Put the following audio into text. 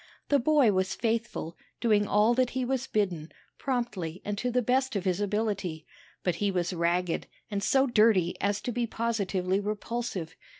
The boy was faithful, doing all that he was bidden, promptly and to the best of his ability, but he was ragged, and so dirty as to be positively repulsive.